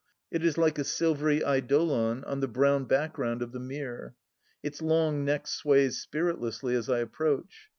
It is like a silvery eidolon on the brown background of the mere. Its long neck sways spiritlessly as I approach.